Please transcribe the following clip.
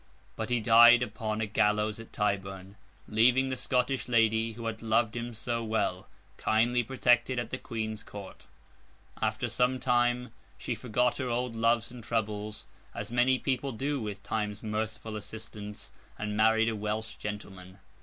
But he died upon a gallows at Tyburn, leaving the Scottish lady, who had loved him so well, kindly protected at the Queen's Court. After some time she forgot her old loves and troubles, as many people do with Time's merciful assistance, and married a Welsh gentleman.